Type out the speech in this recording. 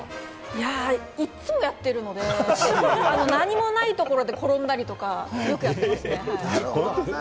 いや、いつもやってるので、何もない所で転んだりとか、よくやってますね。